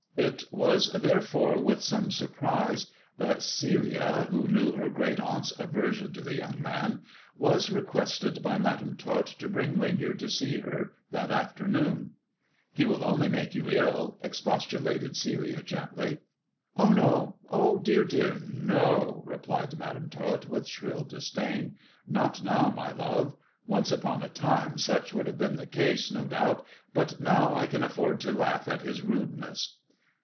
It was therefore with some surprise that Celia, who knew her great aunt's aversion to the young man, was requested by Madam Tot to bring Winyard to see her that afternoon. " He will only make you ill," expostulated Celia gently. " Oh, no ! oh, dear, dear, no," replied Madam Tot, with shrill disdain; "not now, my love. Once upon a time such would have been the case, no doubt, but now I can afford to laugh at his rudeness."